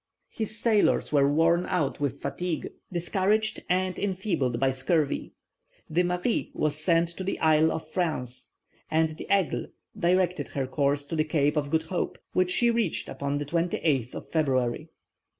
His sailors were worn out with fatigue, discouraged, and enfeebled by scurvy. The Marie was sent to the Isle of France, and the Aigle directed her course to the Cape of Good Hope, which she reached upon the 28th of February.